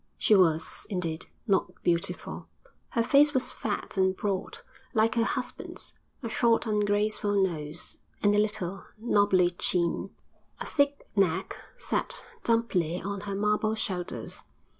She was, indeed, not beautiful: her face was fat and broad, like her husband's; a short, ungraceful nose, and a little, nobbly chin; a thick neck, set dumpily on her marble shoulders.